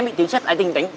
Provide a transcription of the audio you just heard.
em bị tiếng sát ái tình tính